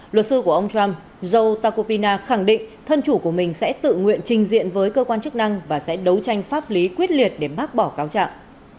luật sư của ông trump jokopina khẳng định thân chủ của mình sẽ tự nguyện trình diện với cơ quan chức năng và sẽ đấu tranh pháp lý quyết liệt để bác bỏ cáo trạng